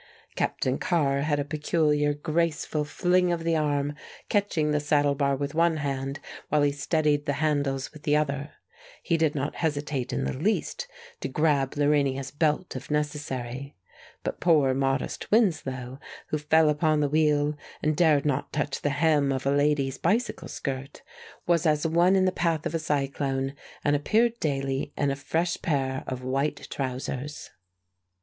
Captain Carr had a peculiar, graceful fling of the arm, catching the saddle bar with one hand while he steadied the handles with the other. He did not hesitate in the least to grab Lorania's belt if necessary. But poor modest Winslow, who fell upon the wheel and dared not touch the hem of a lady's bicycle skirt, was as one in the path of a cyclone, and appeared daily in a fresh pair of white trousers.